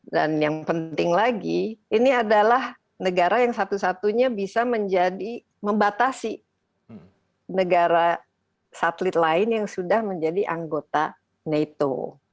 dan yang penting lagi ini adalah negara yang satu satunya bisa menjadi membatasi negara satelit lain yang sudah menjadi anggota nato